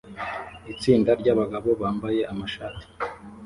Itsinda ryabagabo bambaye amashati